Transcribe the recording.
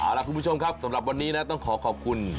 เอาล่ะคุณผู้ชมครับสำหรับวันนี้นะต้องขอขอบคุณ